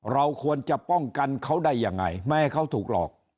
เราควรจะป้องกันเขาได้ยังไงไม่ให้เขาถูกหลอก